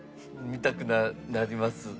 みたくなります。